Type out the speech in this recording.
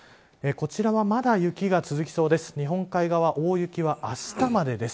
こちらはまだ雪が続きそうです。